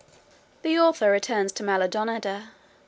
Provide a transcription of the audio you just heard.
The author returns to Maldonada.